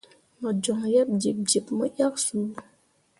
Mo joŋ yeb jiɓjiɓ mo yak su.